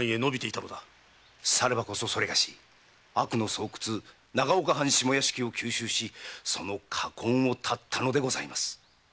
さればこそ某悪の巣窟長岡藩下屋敷を急襲しその禍根を断ったのでございます。